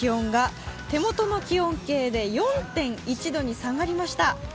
現在の気温が手元の気温計で４．１度に下がりました。